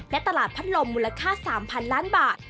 และตลาดพัดลมมูลค่า๓๐๐๐ล้านบาท